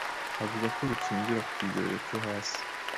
avuga ko rukingira ku kigero cyo hasi